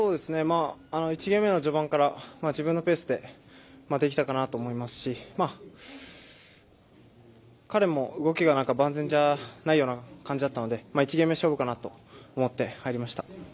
１ゲーム目の序盤から自分のペースでできたかなと思いますし彼も動きが万全じゃないような感じだったので１ゲーム勝負かなと思って入りました。